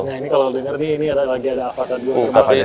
nah ini kalau dengar nih ini lagi ada apa tadi